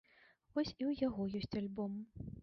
Вось і ў яго ёсць альбом.